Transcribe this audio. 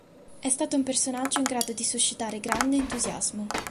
È stato un personaggio in grado di suscitare grande entusiasmo.